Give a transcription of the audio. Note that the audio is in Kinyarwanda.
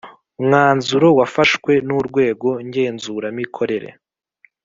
Mwanzuro wafashwe n urwego ngenzuramikorere